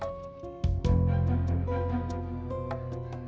zal diberhentiinmu begini sekarang juga gak